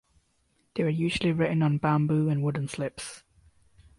They were usually written on bamboo and wooden slips.